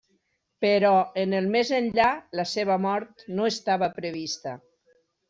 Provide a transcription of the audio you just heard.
Però en el més enllà, la seva mort no estava prevista.